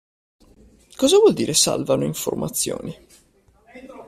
Cosa vuol dire salvano informazioni?